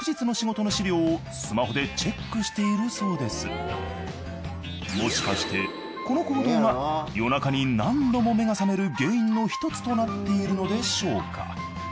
プレッシャーをはねのけるためもしかしてこの行動が夜中に何度も目が覚める原因のひとつとなっているのでしょうか。